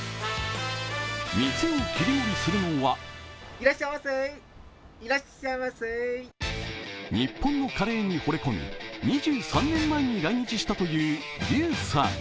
店を切り盛りするのは日本のカレーにほれ込み、２３年前に訪日したという劉さん。